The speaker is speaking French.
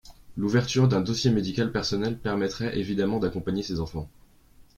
L’ouverture d’un dossier médical personnel permettrait évidemment d’accompagner ces enfants.